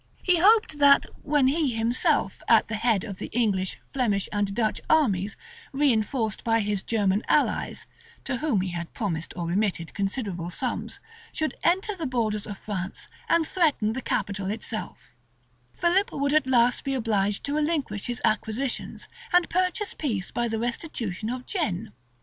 [] He hoped that, when he himself, at the head of the English, Flemish, and Dutch armies, reënforced by his German allies, to whom he had promised or remitted considerable sums, should enter die frontiers of France, and threaten the capital itself, Philip would at last be obliged to relinquish his acquisitions, and purchase peace by the restitution of Guienne.